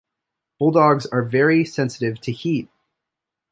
Bulldogs are very sensitive to heat.